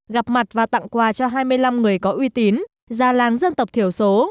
gặp mặt và tặng quà cho hai mươi năm người có uy tín gia làng dân tộc thiểu số